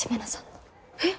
えっ！